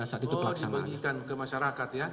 oh diberikan ke masyarakat ya